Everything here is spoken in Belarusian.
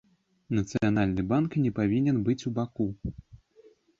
Нацыянальны банк не павінен быць убаку.